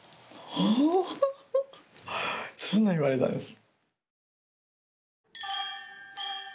はぁそんなん言われたんです。